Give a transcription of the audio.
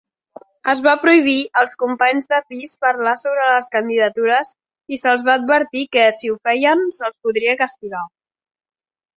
Es va prohibir als companys de pis parlar sobre les candidatures i se'ls va advertir que, si ho feien, se'ls podria castigar.